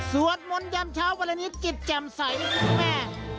สวดมนต์ยันเช้าวันนี้จิตแจ่มใสคุณแม่